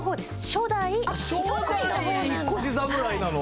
初代引越し侍なの？